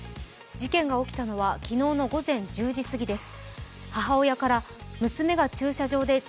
事件が起きたのは昨日の午前１０時すぎです。